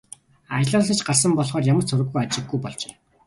Ажлаасаа ч гарсан болохоор ямар ч сураг ажиггүй болжээ.